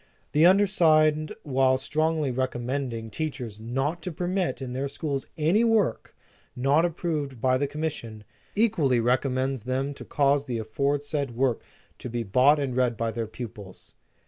"The undersigned, while strongly reconv 2* 1 8 Preface to the Second Edition. mending teachers not to permit in their schools any work not approved by the Com mission, equally recommends them to cause the aforesaid work to be bought and read by their pupils.